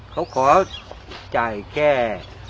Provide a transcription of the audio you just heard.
เขาขอจ่ายแค่